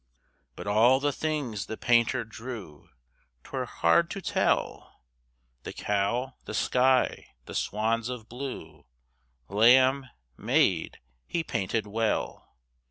But all the things the painter drew 'Twere hard to tell The cow, the sky, the swans of blue, Lamb, maid, he painted well.